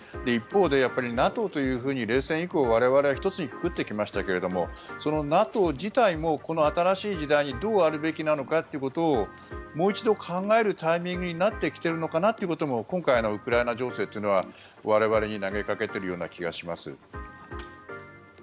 一方でＮＡＴＯというふうに冷戦以降、我々は一つにくくってきましたがそのＮＡＴＯ自体もこの新しい時代にどうあるべきなのかということをもう一度考えるタイミングになってきているのかなということも今回、ウクライナ情勢というのは我々に投げかけているような気がします。